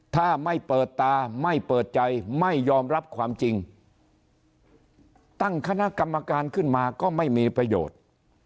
ถ้าไม่เปิดตาไม่เปิดใจไม่ยอมรับความจริงตั้งคณะกรรมการขึ้นมาก็ไม่มีประโยชน์